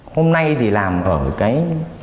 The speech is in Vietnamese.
hôm nay thì làm ở cái